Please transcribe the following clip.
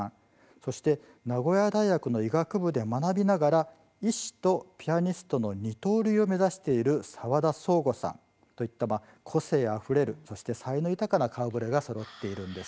そして名古屋大学の医学部で学びながら医師とピアニストの二刀流を目指している沢田蒼梧さんといった個性あふれるそして才能豊かな顔ぶれがそろっているんです。